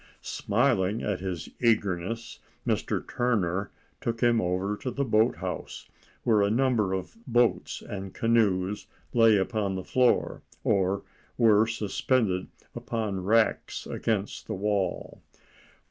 Smiling at his eagerness, Mr. Turner took him over to the boathouse, where a number of boats and canoes lay upon the floor, or were suspended upon racks against the wall.